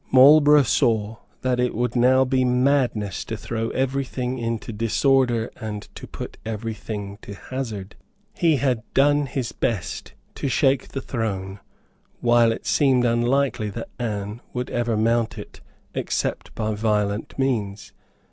Marlborough saw that it would now be madness to throw every thing into disorder and to put every thing to hazard. He had done his best to shake the throne while it seemed unlikely that Anne would ever mount it except by violent means.